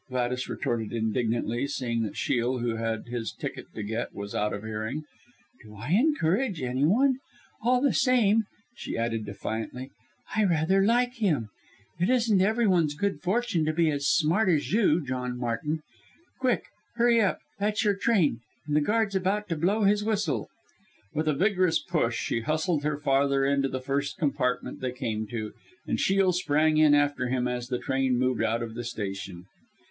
Gladys retorted indignantly, seeing that Shiel, who had his ticket to get, was out of hearing. "Do I encourage any one? All the same," she added defiantly, "I rather like him. It isn't every one's good fortune to be as smart as you, John Martin. Quick hurry up! That's your train and the guard's about to blow his whistle." With a vigorous push she hustled her father into the first compartment they came to, and Shiel sprang in after him as the train moved out of the station.